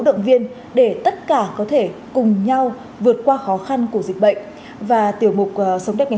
động viên để tất cả có thể cùng nhau vượt qua khó khăn của dịch bệnh và tiểu mục sống đẹp ngày